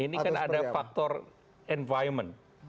ini kan ada faktor environment